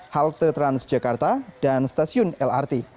halte transjakarta dan stasiun lrt